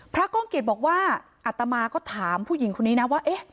ก้องเกียจบอกว่าอัตมาก็ถามผู้หญิงคนนี้นะว่าเอ๊ะ